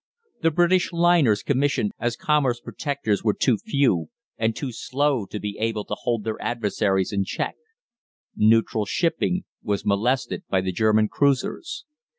The British liners commissioned as commerce protectors were too few and too slow to be able to hold their adversaries in check. Neutral shipping was molested by the German cruisers.